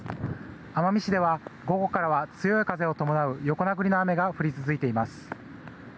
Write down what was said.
奄美市では午後からは強い風を伴う横殴りの雨が降り続いています。